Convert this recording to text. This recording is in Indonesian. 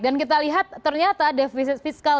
kita lihat ternyata defisit fiskal